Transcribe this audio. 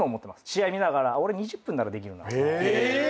試合見ながら俺２０分ならできるなとか。え！？